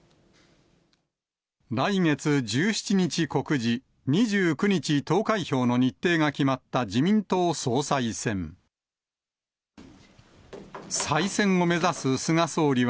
来月１７日告示、２９日投開票の日程が決まった自民党総裁選。